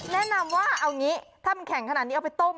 แนะนำว่าเอางี้ถ้ามันแข็งขนาดนี้เอาไปต้ม